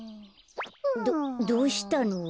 どどうしたの？